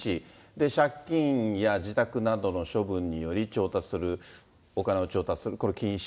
借金や自宅などの処分により調達する、お金を調達する、これ、禁止。